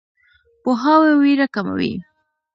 پوهاوی ویره کموي.